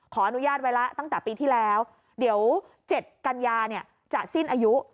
ขออนุญาตไว้ละตั้งแต่ปีที่แล้วเดี๋ยวเจ็ดกัญญาจะสิ้นอายุ